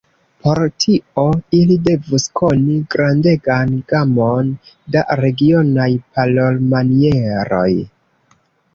Por tio, ili devus koni grandegan gamon da regionaj parolmanieroj.